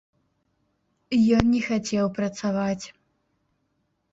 Ён не хацеў працаваць.